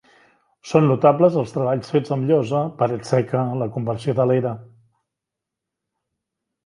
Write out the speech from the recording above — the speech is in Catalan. Són notables els treballs fets amb llosa, paret seca, la conversió de l'era.